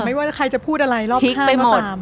ไม่ว่าใครจะพูดอะไรรอบข้างแล้วตาม